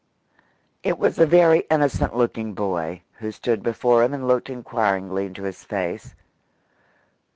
It was a very innocent looking boy who stood before him and looked inquiringly into his face.